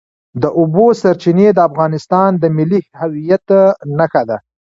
د اوبو سرچینې د افغانستان د ملي هویت نښه ده.